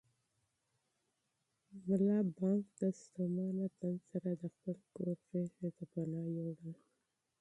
ملا بانګ د ستومانه تن سره د خپل کور غېږې ته پناه یووړه.